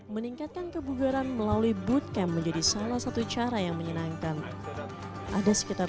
meningkatkan kebugaran melalui bootcamp menjadi salah satu cara yang menyenangkan ada sekitar